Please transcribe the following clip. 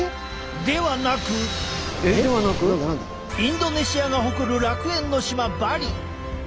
ではなくインドネシアが誇る楽園の島バリ。